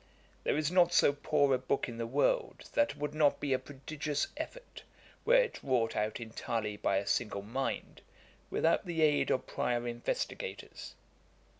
There is not so poor a book in the world that would not be a prodigious effort were it wrought out entirely by a single mind, without the aid of prior investigators.